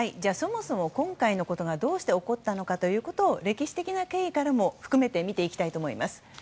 そもそも今回のことがどうして起こったのかを歴史的な経緯も含めて見ていきたいと思います。